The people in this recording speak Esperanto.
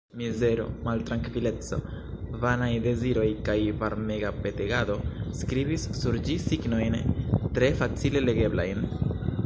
Mizero, maltrankvileco, vanaj deziroj kaj varmega petegado skribis sur ĝi signojn tre facile legeblajn.